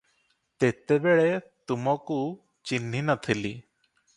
ତେତେବେଳେ ତୁମକୁ ଚିହ୍ନି ନ ଥିଲି ।